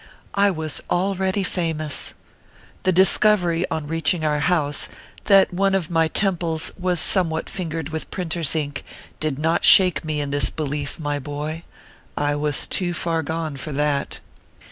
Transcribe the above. I was already famous. The discovery, on reaching our house, that one of my temples was somewhat fingered with printers ink, did not shake me in this belief, my boy ; I was too far gone for that.